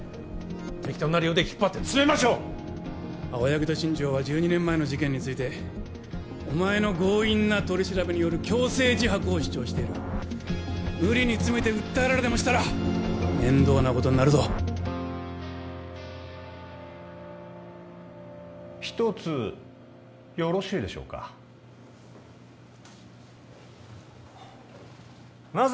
適当な理由で引っ張って詰めましょう青柳と新城は１２年前の事件についてお前の強引な取り調べによる強制自白を主張している無理に詰めて訴えられでもしたら面倒なことになるぞ一つよろしいでしょうかなぜ